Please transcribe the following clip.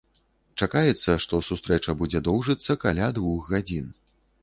Чакаецца, што сустрэча будзе доўжыцца каля двух гадзін.